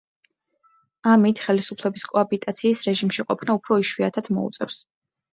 ამით, ხელისუფლების კოაბიტაციის რეჟიმში ყოფნა უფრო იშვიათად მოუწევს.